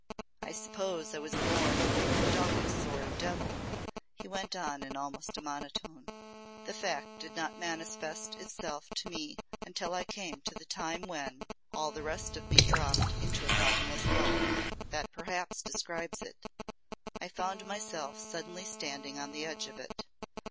"I suppose I was born a dogged sort of devil," he went on almost in a monotone. "The fact did not manifest itself to me until I came to the time when all the rest of me dropped into a bottomless gulf. That perhaps describes it. I found myself suddenly standing on the edge of it.